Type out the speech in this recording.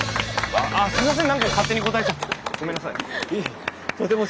あっすみません。